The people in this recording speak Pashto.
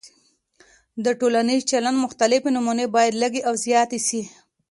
د ټولنیز چلند مختلفې نمونې باید لږې او زیاتې سي.